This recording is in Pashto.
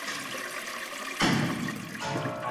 د خپلي بسترې رازونه او حالونه نورو ته ويل حرام عمل دی.